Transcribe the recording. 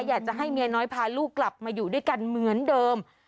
อยากจะให้เมียน้อยพาลูกกลับมาอยู่ด้วยกันเหมือนเดิม